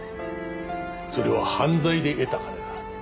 それは犯罪で得た金だ。